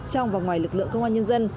trong và ngoài lực lượng công an nhân dân